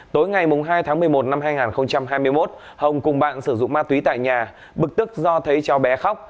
tối ngày hai tháng một mươi một năm hai nghìn hai mươi một hồng cùng bạn sử dụng ma túy tại nhà bực tức do thấy cháu bé khóc